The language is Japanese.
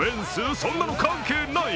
そんなの関係ない。